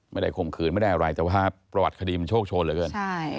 ข่มขืนไม่ได้อะไรแต่ว่าประวัติคดีมันโชคโชนเหลือเกินใช่